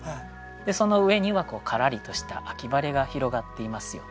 その上にはからりとした秋晴が広がっていますよというね。